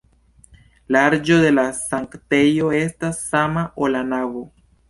Larĝo de la sanktejo estas sama, ol la navo.